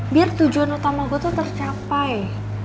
biar tujuan utama gue tuh tercapai